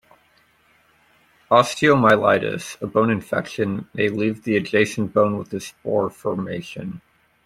Osteomyelitis, a bone infection, may leave the adjacent bone with a spur formation.